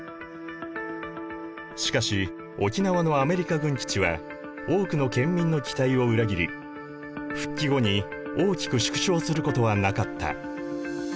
しかし沖縄のアメリカ軍基地は多くの県民の期待を裏切り復帰後に大きく縮小することはなかった。